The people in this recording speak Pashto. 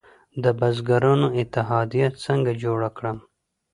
د بزګرانو اتحادیه څنګه جوړه کړم؟